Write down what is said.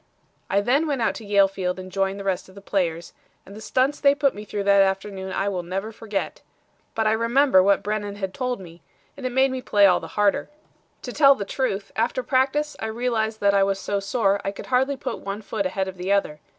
"I then went out to Yale Field and joined the rest of the players, and the stunts they put me through that afternoon I will never forget. But I remembered what Brennen had told me, and it made me play all the harder. To tell the truth, after practice, I realized that I was so sore I could hardly put one foot ahead of the other.